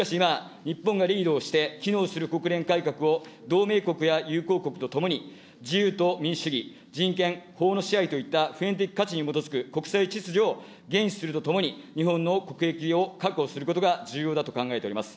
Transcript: しかし今、日本がリードをして機能する国連改革を同盟国や友好国とともに、自由と民主主義、人権、法の支配といった普遍的価値に基づく国際秩序を厳守するとともに、日本の国益を確保することが重要だと考えております。